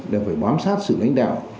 đã phải bám sát sự lãnh đạo